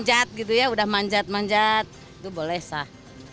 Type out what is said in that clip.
manjat gitu ya udah manjat manjat itu boleh sah